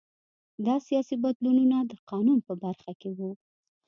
دا سیاسي بدلونونه د قانون په برخه کې وو